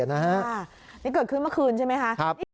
นี่เกิดขึ้นเมื่อคืนใช่ไหมคะอีกครับ